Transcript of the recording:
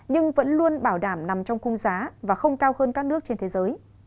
nhưng vẫn luôn bảo đảm nằm trong cung giá và không cao hơn các nước trên thế giới